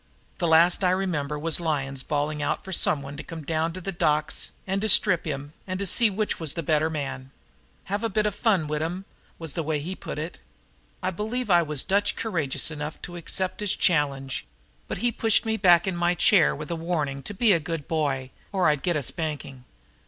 The last I remember was Lyons bawling out for someone to come down to the docks and strip to him and see which was the better man. "Have a bit av fun wid 'im" was the way he put it. I believe I was Dutch courageous enough to accept his challenge but he pushed me back in my chair with a warning to be "a good bye" or I'd get a spanking.